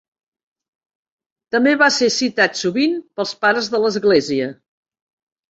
També va ser citat sovint pels Pares de l'Església.